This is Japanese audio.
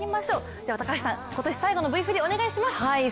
では高橋さん、今年最後のＶＴＲふりお願いします。